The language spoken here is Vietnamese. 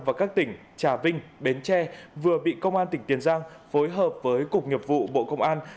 và các tỉnh trà vinh bến tre vừa bị công an tỉnh tiền giang phối hợp với cục nghiệp vụ bộ công an